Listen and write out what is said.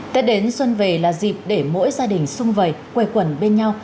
tết đến xuân về là dịp để mỗi gia đình xung vầy quầy quần bên nhau